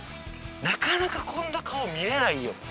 なかなかこんな顔見れないよ。